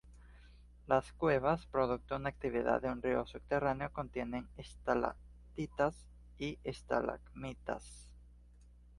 Las cuevas, producto de la actividad de un río subterráneo, contienen estalactitas y estalagmitas.